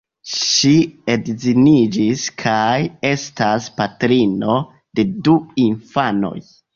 Ŝi edziniĝis kaj estas patrino de du infanoj.